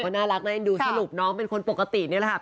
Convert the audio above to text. แต่ก็น่ารักนะดูสรุปน้องเป็นคนปกติเนี่ยแหละค่ะ